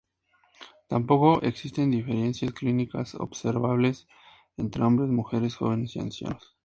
Tampoco existen diferencias clínicas observables entre hombres, mujeres, jóvenes y ancianos.